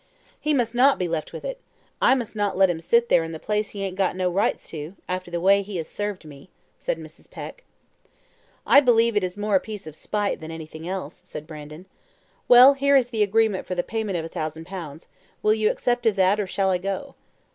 "He must not be left with it. I must not let him sit there in the place he ain't got no rights to, after the way he has served me," said Mrs. Peck. "I believe it is more a piece of spite than anything else," said Brandon. "Well, here is the agreement for the payment of a thousand pounds. Will you accept of that, or shall I go?"